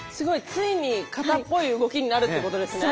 ついに形っぽい動きになるっていうことですね。